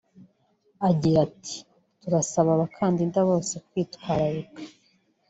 Agira ati “Turasaba abakandida bose kwitwararika